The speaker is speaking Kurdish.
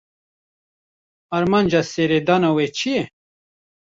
Armanca seredana we çi ye?